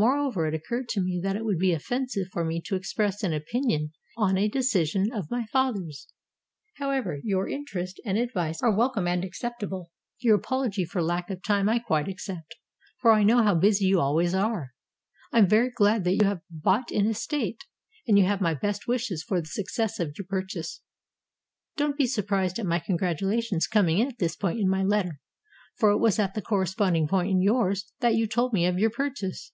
More over, it occurred to me that it would be offensive for me to express an opinion on a decision of my father's. How ever, your interest and advice are welcome and accepta ble. Your apology for lack of time I quite accept; for I know how busy you always are. I am very glad that you have bought an estate, and you have my best wishes for the success of your purchase. Don't be surprised at my congratulations coming in at this point in my letter, for it was at the corresponding point in yours that you told me of your purchase.